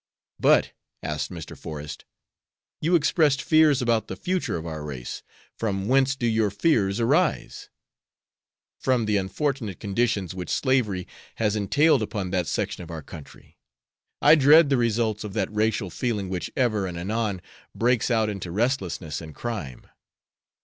"But," asked Mr. Forest, "you expressed fears about the future of our race. From whence do your fears arise?" "From the unfortunate conditions which slavery has entailed upon that section of our country. I dread the results of that racial feeling which ever and anon breaks out into restlessness and crime.